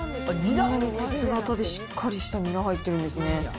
筒形でしっかりしたニラが入ってるんですね。